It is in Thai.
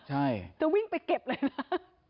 ใช่จะวิ่งไปเก็บเลยนะ